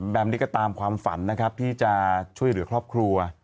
แบบนี้ก็ตามความฝันนะครับที่จะช่วยเหลือครอบครัว